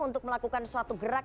untuk melakukan suatu gerak